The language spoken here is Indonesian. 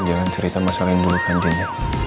jangan cerita masalah yang dulu kan rendy